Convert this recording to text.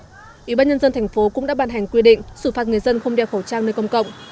ủy ban nhân dân thành phố cũng đã ban hành quy định xử phạt người dân không đeo khẩu trang nơi công cộng